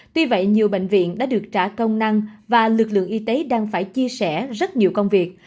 tuy vậy nhiều bệnh viện đã được trả công năng và lực lượng y tế đang phải chia sẻ rất nhiều công việc